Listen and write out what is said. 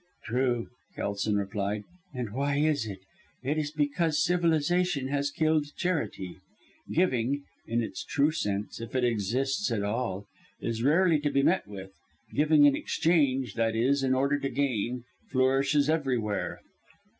"True," Kelson replied, "and why is it? It is because civilization has killed charity. Giving in its true sense if it exists at all is rarely to be met with giving in exchange that is, in order to gain flourishes everywhere.